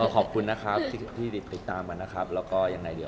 ขอบคุณที่ติดตามมานะครับ